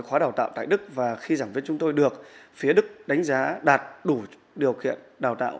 khóa đào tạo tại đức và khi giảng viên chúng tôi được phía đức đánh giá đạt đủ điều kiện đào tạo